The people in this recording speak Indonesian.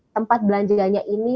tempat belanjanya ini